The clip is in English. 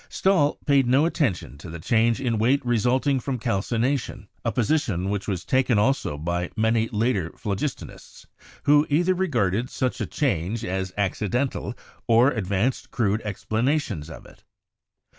Stahl paid no attention to the change in weight result ing from calcination — a position which was taken also by many later phlogistonists, who either regarded such a change as accidental or advanced crude explanations of it.